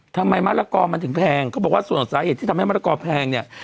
มะละกอมันถึงแพงเขาบอกว่าส่วนสาเหตุที่ทำให้มะละกอแพงเนี่ย